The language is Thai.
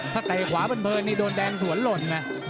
ถ้าเตะไขว่เป้นฝนเนี่ยโดนแดงสวนหล่น